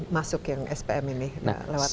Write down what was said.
masuk yang spm ini lewat